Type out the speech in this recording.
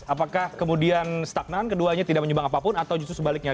apakah kemudian stagnan keduanya tidak menyumbang apapun atau justru sebaliknya